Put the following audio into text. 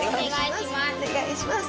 お願いします